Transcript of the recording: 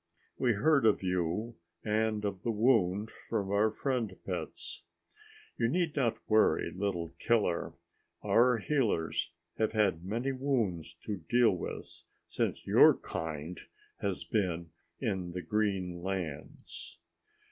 We heard of you and of the wound from our friend pets. You need not worry, little killer. Our healers have had many wounds to deal with since your kind has been in the green lands."